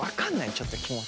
ちょっと気持ち。